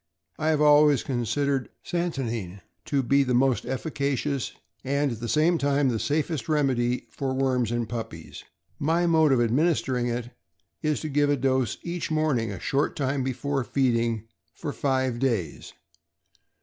1 have always considered santonine to be the most efficacious, and, at the same time, the safest remedy for worms in puppies. My mode of administering it is to give a dose each morning, a short time before feeding, for five days.